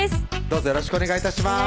どうぞよろしくお願い致します